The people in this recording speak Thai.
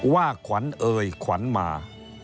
ว่าขวัญเอยขวัญมา